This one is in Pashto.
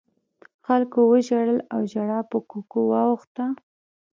خلکو وژړل او ژړا په کوکو واوښته.